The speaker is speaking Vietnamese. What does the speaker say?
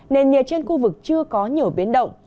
nền nhiệt trên khu vực chưa có nhiều biến động